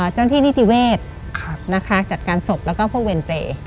จ้างที่นิติเวศนะคะจัดการศพแล้วก็พวกเวรเตร